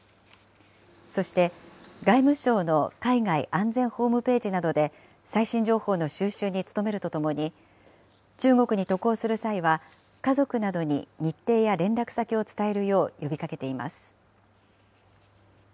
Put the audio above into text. そして、外務省の海外安全ホームページなどで最新情報の収集に努めるとともに、中国に渡航する際は家族などに日程や連絡先を伝えるよう呼びかけています。